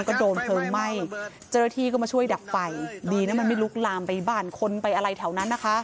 ก็โดนเพลิงไหม้เจ้าหน้าที่ก็มาช่วยดับไฟดีนะมันไม่ลุกลามไปบ้านคนไปอะไรแถวนั้นนะคะ